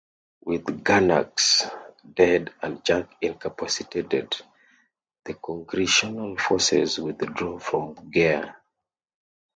With Garneuax dead and Jack incapacitated, the Congressional forces withdraw from Gaea.